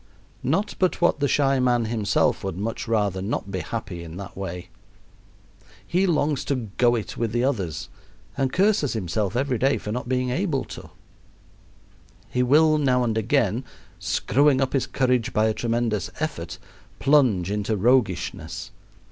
Not but what the shy man himself would much rather not be happy in that way. He longs to "go it" with the others, and curses himself every day for not being able to. He will now and again, screwing up his courage by a tremendous effort, plunge into roguishness.